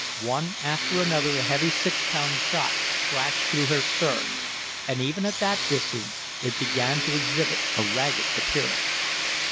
One after another the heavy six pound shots crashed through her stern; and even at that distance it began to exhibit a ragged appearance.